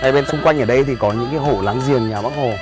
bên xung quanh ở đây thì có những hộ láng giềng nhà bắc hồ